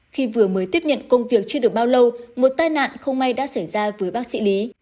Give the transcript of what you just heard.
khi vừa mới tiếp nhận công việc chưa được bao lâu một tai nạn không may đã xảy ra với bác sĩ lý